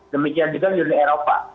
demikian juga uni eropa